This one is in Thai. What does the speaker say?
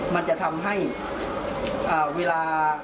มันจะทำให้เวลา